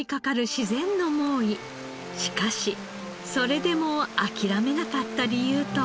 しかしそれでも諦めなかった理由とは。